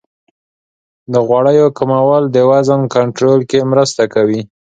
د غوړیو کمول د وزن کنټرول کې مرسته کوي.